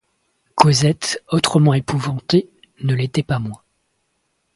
Cosette, autrement épouvantée, ne l'était pas moins.